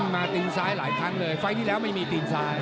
มาตีนซ้ายหลายครั้งเลยไฟล์ที่แล้วไม่มีตีนซ้าย